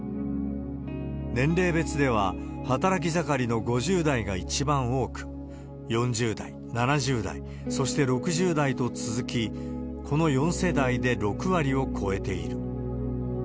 年齢別では、働き盛りの５０代が一番多く、４０代、７０代、そして６０代と続き、この４世代で６割を超えている。